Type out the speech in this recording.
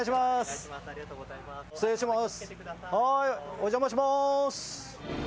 お邪魔します。